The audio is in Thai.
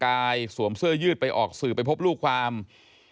โดยระบุว่าการแต่งกายสวมเสื้อยืดไปออกสื่อไปพบลูกความที่ถือว่าไม่เหมาะสม